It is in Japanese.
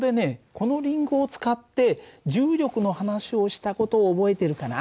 このりんごを使って重力の話をした事を覚えてるかな？